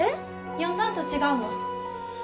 呼んだんと違うの？